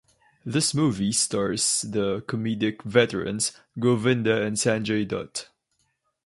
This movie stars the comedic veterans Govinda and Sanjay Dutt.